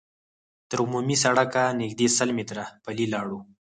تر عمومي سړکه نږدې سل متره پلي لاړو.